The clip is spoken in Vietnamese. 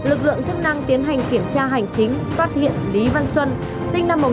lực lượng chức năng tiến hành kiểm tra hành chính phát hiện lý văn xuân